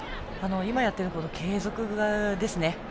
今やっていることの継続ですね。